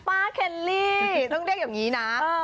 เคลลี่ต้องเรียกอย่างนี้นะ